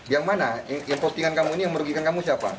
yang mana yang postingan kamu ini yang merugikan kamu siapa